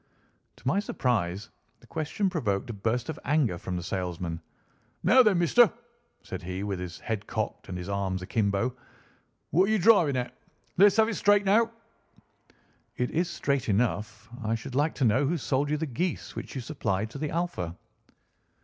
To my surprise the question provoked a burst of anger from the salesman. "Now, then, mister," said he, with his head cocked and his arms akimbo, "what are you driving at? Let's have it straight, now." "It is straight enough. I should like to know who sold you the geese which you supplied to the Alpha."